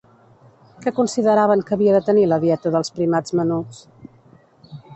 Què consideraven que havia de tenir la dieta dels primats menuts?